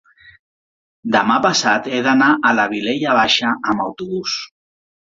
demà passat he d'anar a la Vilella Baixa amb autobús.